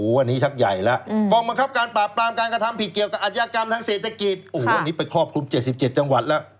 วันนี้ชักใหญ่แล้วกองบังคับการปราบปรามการกระทำผิดเกี่ยวกับอัธยากรรมทางเศรษฐกิจโอ้โหวันนี้ไปครอบคลุม๗๗จังหวัดแล้ว